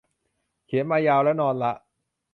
เขียนมายาวแล้ว นอนละ